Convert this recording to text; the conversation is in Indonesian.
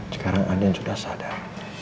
sekarang adian sudah sadar